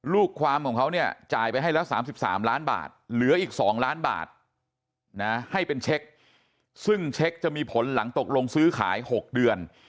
ลูกความของเขาเนี่ยจ่ายไปให้แล้ว๓๓ล้านบาทเหลืออีก๒ล้านบาทนะให้เป็นเช็คซึ่งเช็คจะมีผลหลังตกลงซื้อขาย๖เดือน